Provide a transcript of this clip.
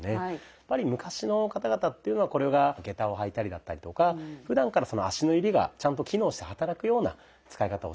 やっぱり昔の方々っていうのはこれが下駄を履いたりだったりとかふだんから足の指がちゃんと機能して働くような使い方をしてると。